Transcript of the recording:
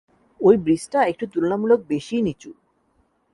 অই ব্রিজটা একটু তুলনামুলক বেশিই নিচু!